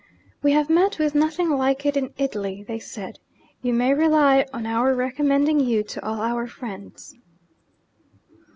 'We have met with nothing like it in Italy,' they said; 'you may rely on our recommending you to all our friends.'